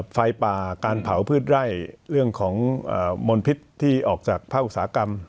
ไฟป่าการเผาพืชไร่เรื่องของอ่ามนต์พิษที่ออกจากภาคศากรรม